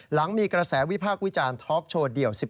หลังมีกระแสวิพากษ์วิจารณ์ทอล์กโชว์เดี่ยว๑๑